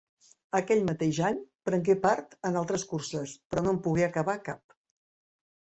Aquell mateix any prengué part en altres curses, però no en pogué acabar cap.